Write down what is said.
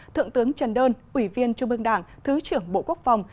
thượng tướng trần đơn ủy viên trung ương đảng thứ trưởng bộ quốc phòng